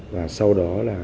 và sau đó là